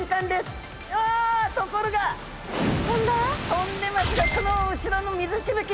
飛んでますがその後ろの水しぶき